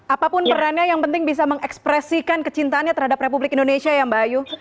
apapun perannya yang penting bisa mengekspresikan kecintaannya terhadap republik indonesia ya mbak ayu